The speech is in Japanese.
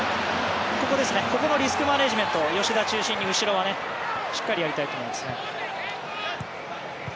ここのリスクマネジメント吉田を中心にしっかりやりたいと思いますね。